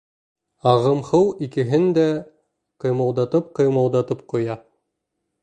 Ағым һыу икеһен дә ҡыймылдатып-ҡыймылдатып ҡуя.